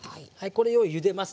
これをゆでます。